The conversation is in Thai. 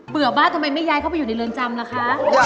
บ้านทำไมไม่ย้ายเข้าไปอยู่ในเรือนจำล่ะคะ